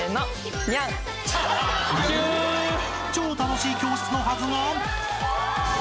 超楽しい教室のはずが？